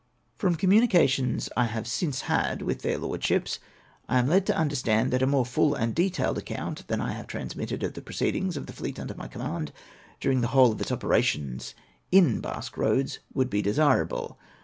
From communications I have since had with their Lord ships, I am led to understand that a more full and detailed account than I have transmitted of the proceedings of the fleet under my command, during the whole of its operations in Bas(jue Eoads, would be desirable.